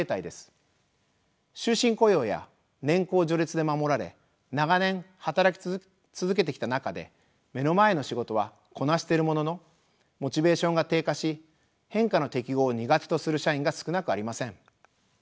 終身雇用や年功序列で守られ長年働き続けてきた中で目の前の仕事はこなしているもののモチベーションが低下し変化の適合を苦手とする社員が少なくありません。